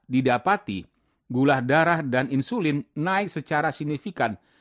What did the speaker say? didapati gula darah dan insulin naik secara signifikan